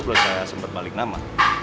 saya sempat balik nama